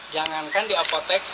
jangankan di apotek